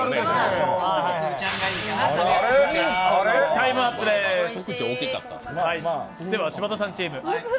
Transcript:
タイムアップです、柴田さんチーム。